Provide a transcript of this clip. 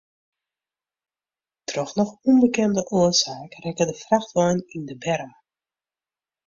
Troch noch ûnbekende oarsaak rekke de frachtwein yn de berm.